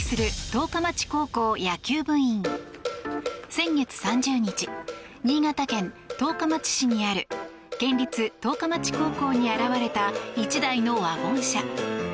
先月３０日新潟県十日町市にある県立十日町高校に現れた１台のワゴン車。